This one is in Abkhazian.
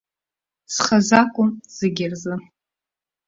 Схазы акәым, зегь рзы.